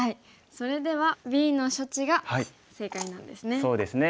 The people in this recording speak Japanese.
それではＢの処置が正解なんですね。